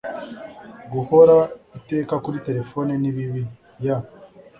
guhoraiteka kuri telephone ni bibi y